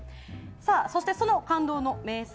そしてその感動の名作